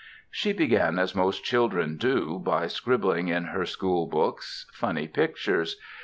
She began as most children do by scribbling in her school books, funny pictures.